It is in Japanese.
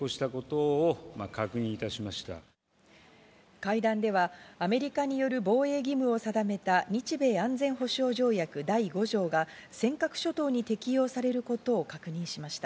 会談ではアメリカによる防衛義務を定めた日米安全保障条約第５条が尖閣諸島に適用されることを確認しました。